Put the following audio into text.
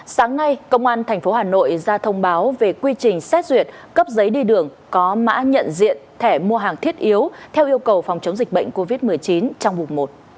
sáng nay công an tp hà nội ra thông báo về quy trình xét duyệt cấp giấy đi đường có mã nhận diện thẻ mua hàng thiết yếu theo yêu cầu phòng chống dịch bệnh covid một mươi chín trong mục một